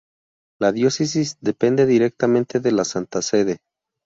La diócesis depende directamente de la Santa Sede.